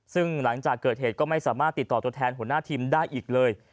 ซึ่งหลังจากเกิดเหตุก็ไม่สามารถติดต่อตัวแทนหัวหน้าทีมได้อีกเลย